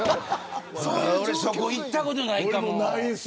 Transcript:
俺、そこ行ったことないかも。